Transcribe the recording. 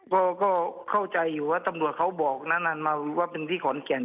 ก็เข้าใจอยู่ว่าตำรวจเขาบอกนานันมาว่าเป็นที่ขอนแก่น